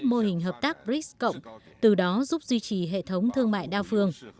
mô hình hợp tác brics cộng từ đó giúp duy trì hệ thống thương mại đa phương